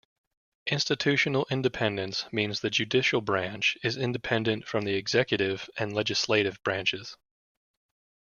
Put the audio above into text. Institutional independence means the judicial branch is independent from the executive and legislative branches.